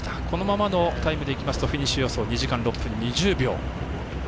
このままのタイムでいきますとフィニッシュ予想２時間６分２０秒。